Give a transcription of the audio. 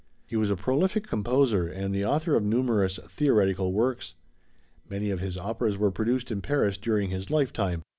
He was a prolific composer and the author of numerous theoretical works. Many of his operas were produced in Paris during his lifetime.